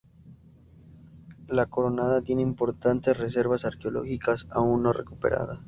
La Coronada tiene importantes reservas arqueológicas, aún no recuperadas.